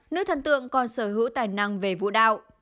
nữ thần tượng còn sở hữu tài năng về vũ đạo